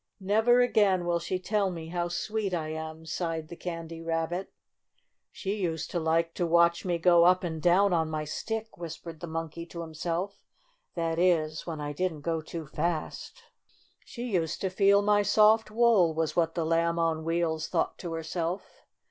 "Never again will she tell me how sweet I am," sighed the Candy Rabbit. "She used to like to watch me go up and down on my stick," whispered the Monkey to himself; "that is, when I didn't go too fast." 48 STORY OF A SAWDUST DOLL "She used to feel my soft wool," was what the Lamb on Wheels thought to her self.